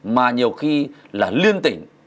mà nhiều khi là liên tỉnh